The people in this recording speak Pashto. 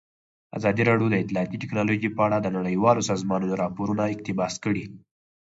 ازادي راډیو د اطلاعاتی تکنالوژي په اړه د نړیوالو سازمانونو راپورونه اقتباس کړي.